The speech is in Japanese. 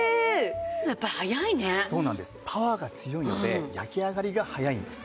パワーが強いので焼き上がりが早いんです。